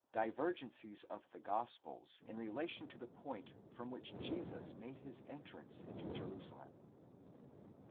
DIVERGENCIES OF THE GOSPELS, IN RELATION TO THE POINT FROM WHICH JESUS MADE HIS ENTRANCE INTO JERUSALEM.